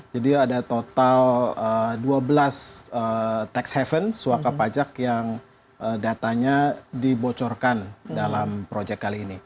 jadi ada total dua belas tax haven suaka pajak yang datanya dibocorkan dalam proyek kali ini